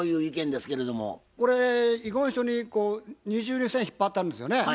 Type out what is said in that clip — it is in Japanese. これ遺言書にこう二重に線引っ張ってあるんですよね？